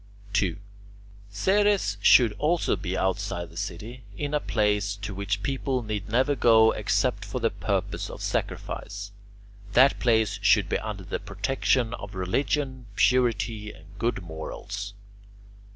2. Ceres also should be outside the city in a place to which people need never go except for the purpose of sacrifice. That place should be under the protection of religion, purity, and good morals.